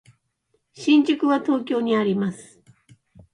新宿は東京にあります。